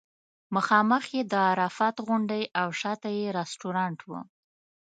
مخامخ یې د عرفات غونډۍ او شاته یې رستورانټ و.